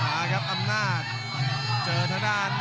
มาครับอำนาจเจอทางด้าน